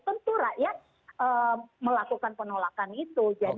tentu rakyat melakukan penolakan itu